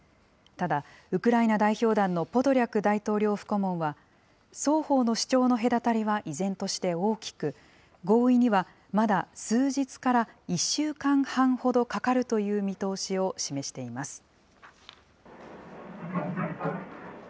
ただ、ウクライナ代表団のポドリャク大統領府顧問は、双方の主張の隔たりは依然として大きく、合意にはまだ数日から１週間半ほどかかるという見通しを示しています。